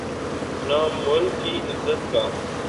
نہ ملک کی عزت کا۔